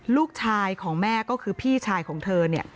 ลูกชายของแม่ก็คือพี่ชายของเธอ